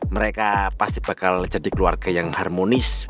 mereka pasti bakal jadi keluarga yang harmonis